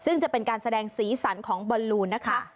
ซึ่งจะเป็นการแสดงสีสันของบอลลูนนะคะ